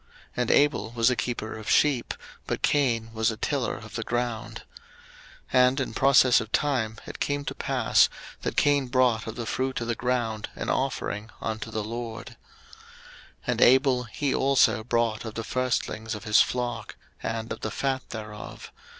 And Abel was a keeper of sheep, but Cain was a tiller of the ground. 01:004:003 And in process of time it came to pass, that Cain brought of the fruit of the ground an offering unto the LORD. 01:004:004 And Abel, he also brought of the firstlings of his flock and of the fat thereof.